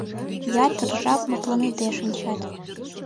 Ятыр жап мутланыде шинчат.